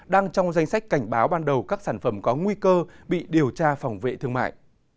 đang trong danh sách cảnh báo ban đầu các sản phẩm có nguy cơ bị điều tra phòng vệ thương mại